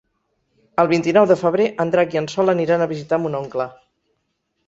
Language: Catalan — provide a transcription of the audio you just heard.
El vint-i-nou de febrer en Drac i en Sol aniran a visitar mon oncle.